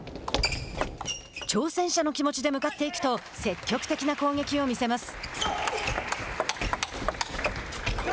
挑戦者の気持ちで向かっていくと積極的な攻撃を見せます。